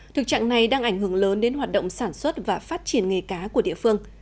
thực trạng này đang ảnh hưởng lớn đến hoạt động sản xuất và phát triển nghề cá của địa phương